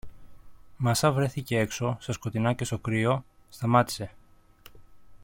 Μα σα βρέθηκε έξω, στα σκοτεινά και στο κρύο, σταμάτησε.